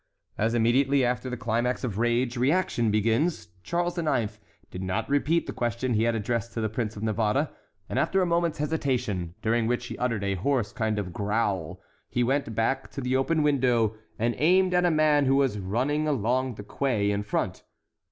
As immediately after the climax of rage, reaction begins, Charles IX. did not repeat the question he had addressed to the Prince of Navarre; and after a moment's hesitation, during which he uttered a hoarse kind of growl, he went back to the open window, and aimed at a man who was running along the quay in front.